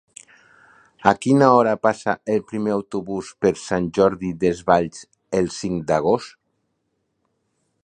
A quina hora passa el primer autobús per Sant Jordi Desvalls el cinc d'agost?